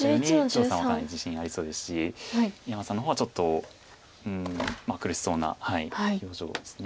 張さんは自信ありそうですし井山さんの方はちょっと苦しそうな表情です。